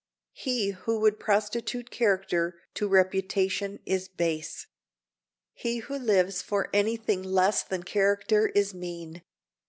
He who would prostitute character to reputation is base. He who lives for any thing less than character is mean.